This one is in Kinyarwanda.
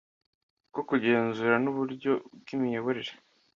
bwo kugenzura n uburyo bw imiyoborere